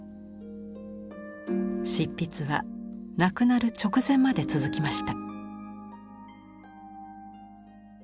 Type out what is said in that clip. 執筆は亡くなる直前まで続きました。